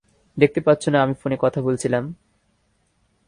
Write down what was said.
দেখতে পাচ্ছ না আমি ফোনে কথা বলছিলাম?